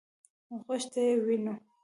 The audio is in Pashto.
غوږ ته يې ونيو.